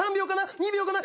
２秒かな？